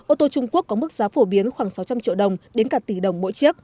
ô tô trung quốc có mức giá phổ biến khoảng sáu trăm linh triệu đồng đến cả tỷ đồng mỗi chiếc